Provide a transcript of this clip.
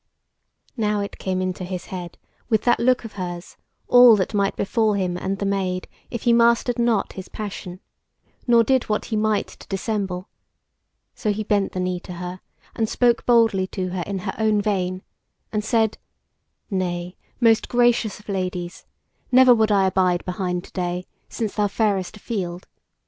Now it came into his head, with that look of hers, all that might befall him and the Maid if he mastered not his passion, nor did what he might to dissemble; so he bent the knee to her, and spoke boldly to her in her own vein, and said: "Nay, most gracious of ladies, never would I abide behind to day since thou farest afield.